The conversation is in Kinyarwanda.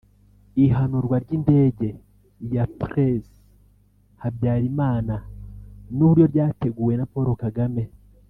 Ihanurwa ry’indege ya Pres Habyarimana nuburyo ryateguwe na Paul Kagame